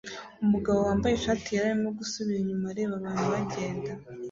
Umugabo wambaye ishati yera arimo gusubira inyuma areba abantu bagenda